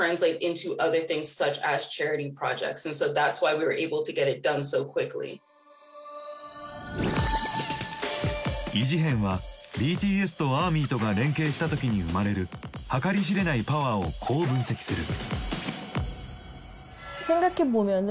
イ・ジヘンはＢＴＳとアーミーとが連携した時に生まれる計り知れないパワーをこう分析する。